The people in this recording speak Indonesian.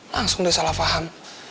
langsung dia salah paham